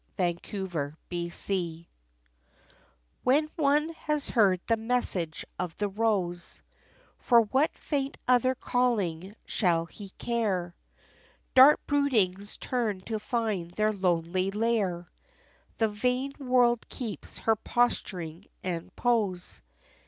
XVI The Message When one has heard the message of the Rose, For what faint other calling shall he care? Dark broodings turn to find their lonely lair; The vain world keeps her posturing and pose.